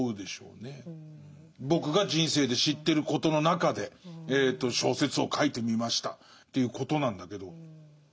僕が人生で知ってることの中で小説を書いてみましたということなんだけど。